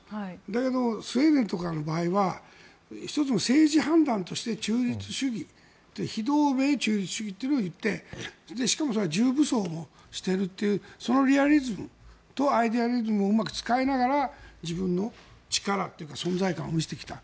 だけどスウェーデンとかの場合は１つの政治判断として中立主義非同盟中立主義を言ってしかも重武装もしているというそのリアリズムとアイデアリズムをうまく使いながら自分の力というか存在感を見せてきた。